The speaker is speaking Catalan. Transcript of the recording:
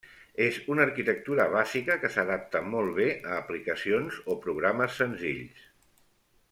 És una arquitectura bàsica que s'adapta molt bé a aplicacions o programes senzills.